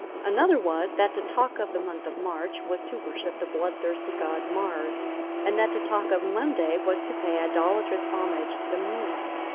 Another was, that to talk of the month of March was to worship the bloodthirsty god Mars, and that to talk of Monday was to pay idolatrous homage to the moon.